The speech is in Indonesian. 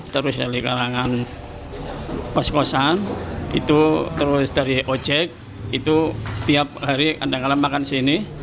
terus dari kalangan pasokosan itu terus dari ojek itu tiap hari anda makan sini